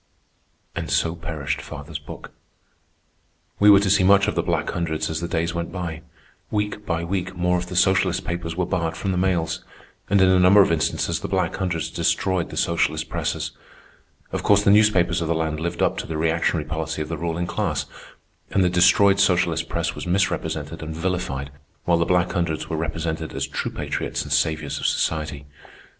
And so perished father's book. We were to see much of the Black Hundreds as the days went by. Week by week more of the socialist papers were barred from the mails, and in a number of instances the Black Hundreds destroyed the socialist presses. Of course, the newspapers of the land lived up to the reactionary policy of the ruling class, and the destroyed socialist press was misrepresented and vilified, while the Black Hundreds were represented as true patriots and saviours of society.